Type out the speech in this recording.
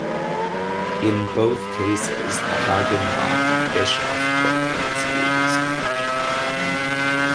In both cases the Hagenbach-Bischoff quota is used.